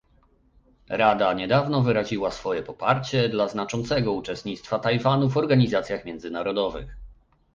Rada niedawno wyraziła swoje poparcie dla znaczącego uczestnictwa Tajwanu w organizacjach międzynarodowych